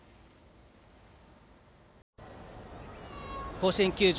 甲子園球場